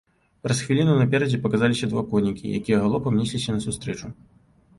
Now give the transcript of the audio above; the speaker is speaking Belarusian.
Праз хвіліну наперадзе паказаліся два коннікі, якія галопам несліся насустрэчу.